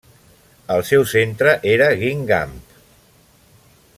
El seu centre era Guingamp.